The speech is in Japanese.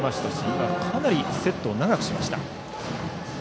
今、かなりセットを長くしました。